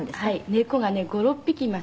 猫がね５６匹いました。